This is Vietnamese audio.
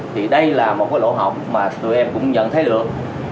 thì đây là một cái lỗ họng mà tụi em cũng nhận thấy được